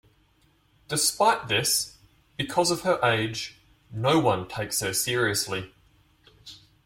Despite this, because of her age, no one takes her seriously.